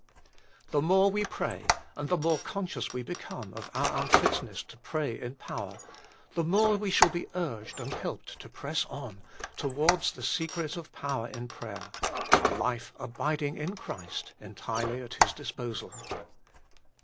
The more we pray, and the more con scious we become of our unfitness to pray in power, the more we shall be urged and helped to press on towards the secret of power in prayer a life abiding in Christ entirely at His disposal.